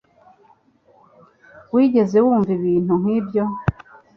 Wigeze wumva ibintu nk'ibyo?